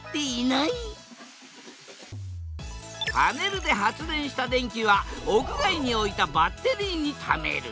だからパネルで発電した電気は屋外に置いたバッテリーにためる。